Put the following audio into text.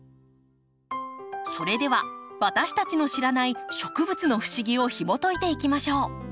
それでは私たちの知らない植物の不思議をひもといていきましょう。